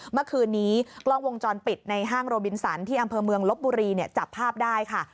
เมื่อคืนนี้กล้องวงจรปิดในห้างโรบินสันที่อำเภอเมืองลบบุรีจับภาพได้ค่ะ